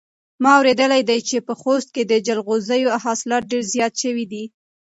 ما اورېدلي دي چې په خوست کې د جلغوزیو حاصلات ډېر زیات شوي دي.